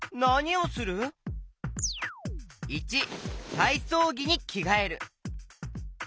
①たいそうぎにきがえる。